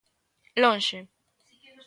Lonxe.